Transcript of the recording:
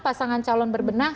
pasangan calon berbenah